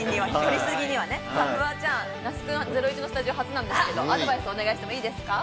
那須君は『ゼロイチ』のスタジオ初なんですけれどもアドバイスをお願いしてもいいですか。